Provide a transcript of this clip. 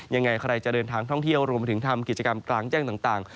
ยังไงใครจะเดินทางท่องเที่ยวรวมไปถึงทำกิจกรรมกลางแจ้งต่าง